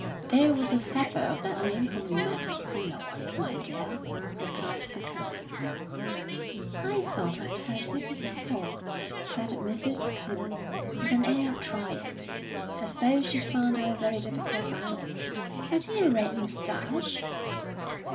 "There was a sapper of that name whom we met at Simla once, my dear," replied the Colonel. "I thought I'd heard it before," said Mrs. Clibborn, with an air of triumph, as though she'd found out a very difficult puzzle. "Had he a red moustache?"